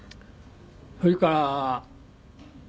それから。